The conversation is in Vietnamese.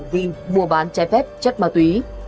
vì mua bán che phép chất ma túy